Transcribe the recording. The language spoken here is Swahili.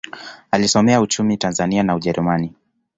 Alisomea uchumi Tanzania na Ujerumani.